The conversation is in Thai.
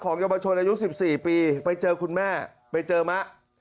เยาวชนอายุ๑๔ปีไปเจอคุณแม่ไปเจอมะ